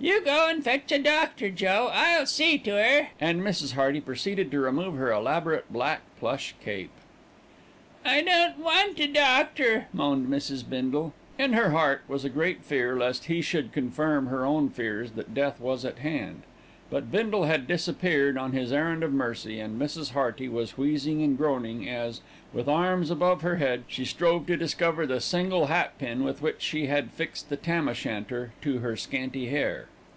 "You go an' fetch a doctor, Joe. I'll see to 'er," and Mrs. Hearty proceeded to remove her elaborate black plush cape. "I don't want a doctor," moaned Mrs. Bindle. In her heart was a great fear lest he should confirm her own fears that death was at hand; but Bindle had disappeared on his errand of mercy, and Mrs. Hearty was wheezing and groaning as, with arms above her head, she strove to discover the single hat pin with which she had fixed the tam o shanter to her scanty hair.